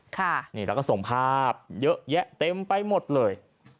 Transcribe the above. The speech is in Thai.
ค่ะนี่แล้วก็ส่งภาพเยอะแยะเต็มไปหมดเลย